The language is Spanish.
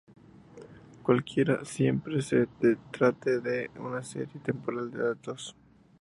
Cualquiera, siempre que se trate de una serie temporal de datos.